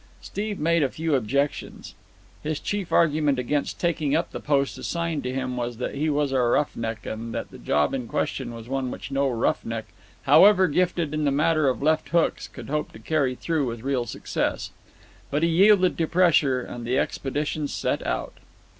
Steve made a few objections. His chief argument against taking up the post assigned to him was that he was a roughneck, and that the job in question was one which no roughneck, however gifted in the matter of left hooks, could hope to carry through with real success. But he yielded to pressure, and the expedition set out.